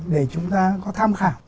để chúng ta có tham khảo